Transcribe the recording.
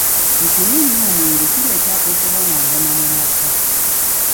Okunywa ennyo omwenge kireeta okubonaabona mu maka.